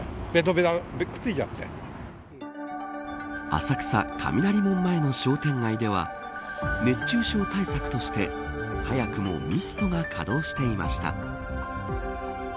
浅草、雷門前の商店街では熱中症対策として早くもミストが稼働していました。